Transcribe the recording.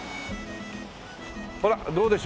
ほらっどうでしょう。